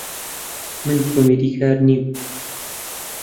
من کۆمیدیکار نیم.